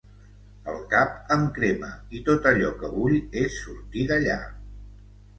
El cap em crema i tot allò que vull és sortir d’allà.